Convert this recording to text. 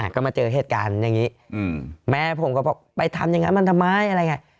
ก็มาเจอเหตุการณ์อย่างนี้แม่ผมก็ไปถามอย่างนั้นทำไม